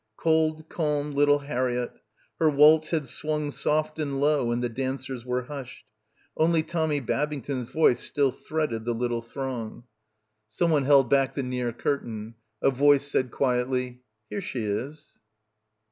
... cold, calm little Harriett. Her waltz had swung soft and low and the dancers were hushed. Only Tommy Babington's voice still threaded the little throng. Someone held back the near curtain. A voice said quietly, "Here she is."